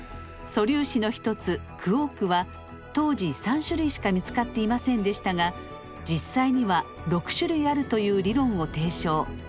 素粒子の一つクオークは当時３種類しか見つかっていませんでしたが実際には６種類あるという理論を提唱。